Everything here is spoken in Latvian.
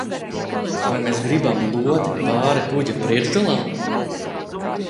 Vai mēs gribam lodi pāri kuģa priekšgalam?